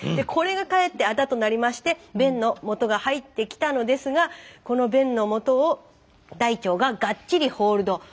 これがかえってあだとなりまして便のもとが入ってきたのですがこの便のもとを大腸ががっちりホールド。